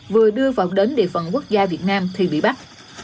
vừa đưa vào đến địa phận quốc gia việt nam thị bỉ bắc